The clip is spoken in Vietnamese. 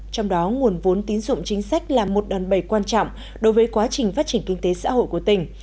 trong đó nguồn vốn tín dụng chính sách là một đòn bầy quan trọng đối với quá trình phát triển kinh tế xã hội của tỉnh